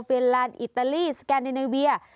แลนด์อิตาลีสแกนเนเวีย